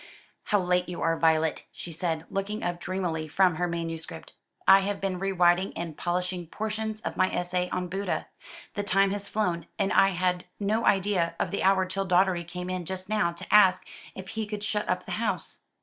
"How late you are, Violet," she said, looking up dreamily from her manuscript. "I have been rewriting and polishing portions of my essay on Buddha. The time has flown, and I had no idea of the hour till Doddery came in just now to ask if he could shut up the house.